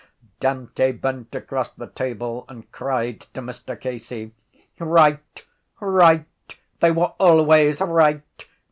Dante bent across the table and cried to Mr Casey: —Right! Right! They were always right!